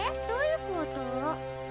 どういうこと？